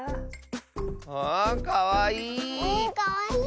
あかわいい！